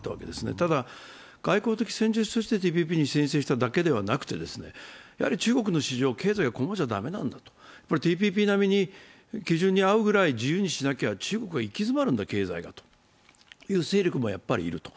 ただ、外交的戦術としてＴＰＰに申請しただけではなくて、中国の市場、経済がこんなんじゃ駄目なんっだと、ＴＰＰ並みに基準に合うぐらい自由にしなきゃ中国は経済が行き詰まるんだという勢力もいると。